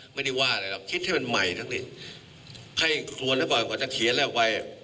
ไม่ได้ว่าอะไรหรอกคิดให้มันใหม่ทั้งนี้ให้ควรแล้วก่อนกว่าจะเขียนแล้วไว้